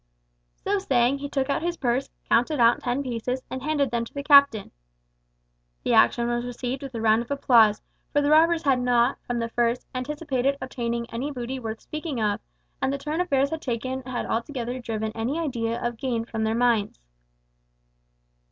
So saying he took out his purse, counted out ten pieces, and handed them to the captain. The action was received with a round of applause, for the robbers had not, from the first, anticipated obtaining any booty worth speaking of, and the turn affairs had taken had altogether driven any idea of gain from their minds.